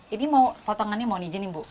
ini mau potongannya mau nijen nih bu